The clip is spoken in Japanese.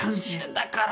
だから。